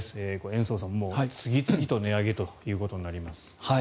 延増さん、次々と値上げということになります。